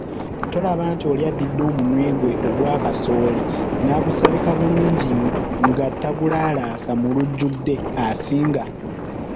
Tolaba nti oli addidde omunwe gwe ogwa kasooli n'agusabika bulungi nga tagulaalasa mu lujjudde asinga.